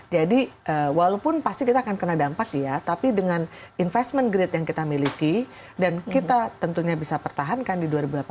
jadi walaupun pasti kita akan kena dampak ya tapi dengan investment grade yang kita miliki dan kita tentunya bisa pertahankan di dua ribu delapan belas